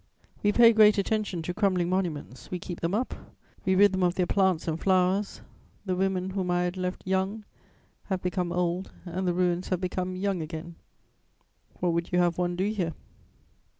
We pay great attention to crumbling monuments: we keep them up; we rid them of their plants and flowers; the women whom I had left young have become old, and the ruins have become young again: what would you have one do here?